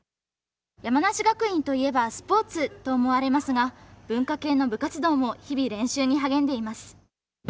山梨学院といえばスポーツと思われますが文化系の部活動も日々練習に励んでいます。